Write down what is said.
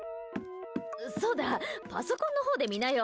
そうだ、パソコンのほうで見なよ。